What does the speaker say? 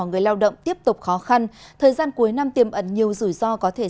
người lao động tiếp tục khó khăn thời gian cuối năm tiềm ẩn nhiều rủi ro